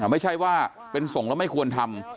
ไม่ใช่ว่าเป็นส่งแล้วไม่ควรทำ